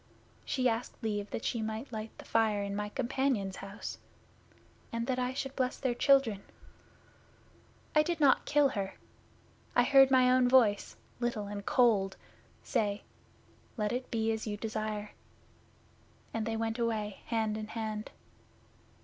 She asked leave that she might light the fire in my companion's house and that I should bless their children. I did not kill her. I heard my own voice, little and cold, say, "Let it be as you desire," and they went away hand in hand.